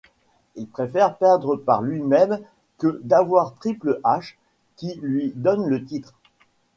Il préfère perdre par lui-même que d'avoir Triple H qui lui donne le titre.